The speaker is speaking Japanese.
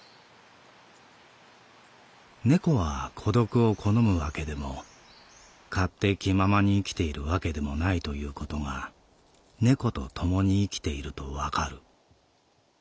「猫は孤独を好むわけでも勝手気ままに生きているわけでもないということが猫とともに生きているとわかる。